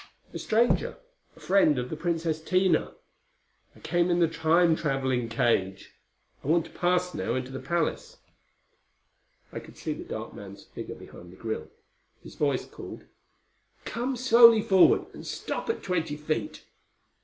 "A stranger. A friend of the Princess Tina. I came in the Time traveling cage. I want to pass now into the palace." I could see the dark man's figure behind the grille. His voice called, "Come slowly forward and stop at twenty feet.